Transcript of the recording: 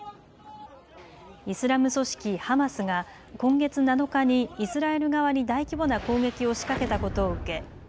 イスラム組織ハマスが今月７日にイスラエル側に大規模な攻撃を仕掛けたことを受け